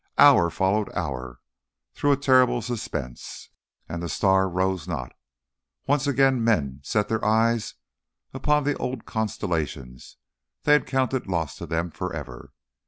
Hour followed hour through a terrible suspense, and the star rose not. Once again men set their eyes upon the old constellations they had counted lost to them forever.